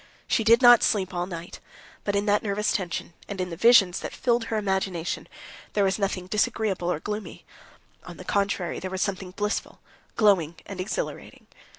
She did not sleep all night. But in that nervous tension, and in the visions that filled her imagination, there was nothing disagreeable or gloomy: on the contrary there was something blissful, glowing, and exhilarating.